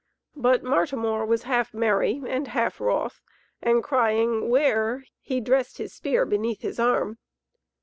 But Martimor was half merry and half wroth, and crying "'Ware!" he dressed his spear beneath his arm.